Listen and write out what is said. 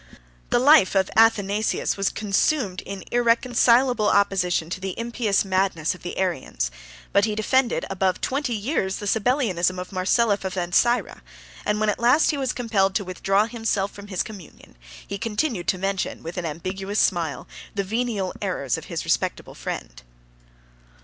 The life of Athanasius was consumed in irreconcilable opposition to the impious madness of the Arians; 61 but he defended above twenty years the Sabellianism of Marcellus of Ancyra; and when at last he was compelled to withdraw himself from his communion, he continued to mention, with an ambiguous smile, the venial errors of his respectable friend.